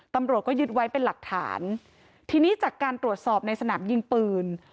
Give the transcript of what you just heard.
ตำรวจก็ยึดไว้เป็นหลักฐานทีนี้จากการตรวจสอบในสนามยิงปืน